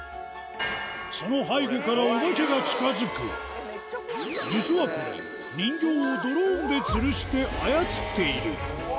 その背後からおばけが近づく実はこれ人形をドローンでつるして操っている最悪。